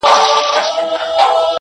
په رڼا كي يې پر زړه ځانمرگى وسي.